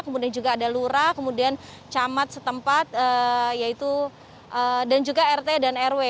kemudian juga ada lurah kemudian camat setempat dan juga rt dan rw